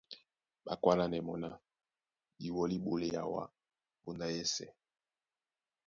Ɓé kwálánɛ́ mɔ́ ná:Di wɔlí ɓolea wǎ póndá yɛ́sɛ̄.